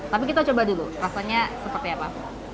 tapi kita coba dulu rasanya seperti apa